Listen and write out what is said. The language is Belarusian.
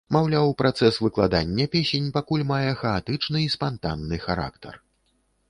Маўляў, працэс выкладання песень пакуль мае хаатычны і спантанны характар.